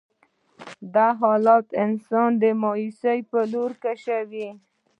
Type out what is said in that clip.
دا حالات انسان د مايوسي په لور کشوي.